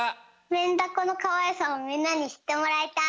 メンダコのかわいさをみんなにしってもらいたい。